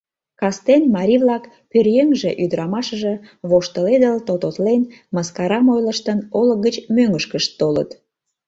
Кастен марий-влак, пӧръеҥже-ӱдырамашыже, воштыледыл, тототлен, мыскарам ойлыштын, олык гыч мӧҥгышкышт толыт.